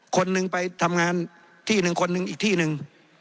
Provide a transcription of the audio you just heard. คนหนึ่งไปทำงานที่หนึ่งคนหนึ่งอีกที่หนึ่ง